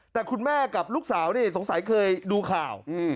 แต่คุณแม่กับลูกสาวนี่สงสัยเคยดูข่าว